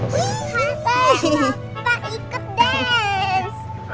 papa ikut dance